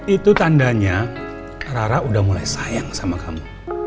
itu tandanya rara udah mulai sayang sama kamu